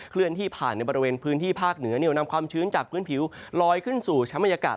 เลื่อนที่ผ่านในบริเวณพื้นที่ภาคเหนือนำความชื้นจากพื้นผิวลอยขึ้นสู่ชั้นบรรยากาศ